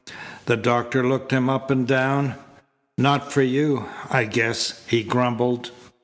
The doctor looked him up and down. "Not for you, I guess," he grumbled.